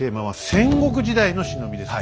戦国時代の忍びも。